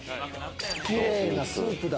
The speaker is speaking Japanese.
きれいなスープだ。